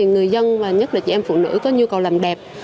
người dân nhất là chị em phụ nữ có nhu cầu làm đẹp